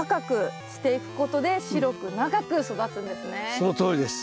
そのとおりです。